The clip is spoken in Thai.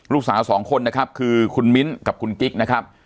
ลูกสาวสองคนนะครับคือคุณมิ้นกับคุณกิ๊กนะครับ